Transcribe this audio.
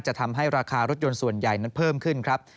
ทำให้ราคารถยนต์ส่วนใหญ่นั้นเพิ่มขึ้นครับ